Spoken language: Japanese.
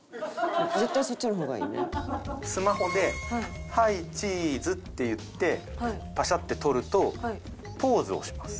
スマホで「はいチーズ！」って言ってパシャって撮るとポーズをします。